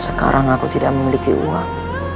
sekarang aku tidak memiliki uang